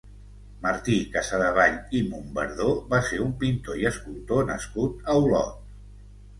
Martí Casadevall i Mombardó va ser un pintor i escultor nascut a Olot.